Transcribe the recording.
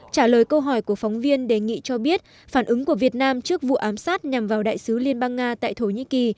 trả lời câu hỏi của phóng viên đề nghị cho biết phản ứng của việt nam trước vụ ám sát nhằm vào đại sứ liên bang nga tại thổ nhĩ kỳ